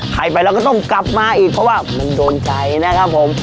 ใครไปเราก็ต้องกลับมาอีกเพราะว่ามันโดนใจนะครับผม